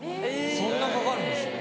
・そんなにかかるんですね・